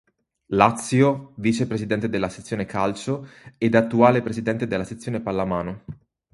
Lazio, vice presidente della sezione calcio ed attuale presidente della sezione pallamano.